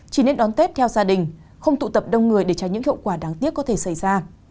chỉ nên đón tết theo gia đình không tụ tập đông người để tránh những hậu quả đáng tiếc có thể xảy ra